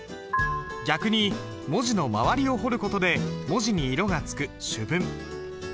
逆に文字の周りを彫る事で文字に色がつく朱文。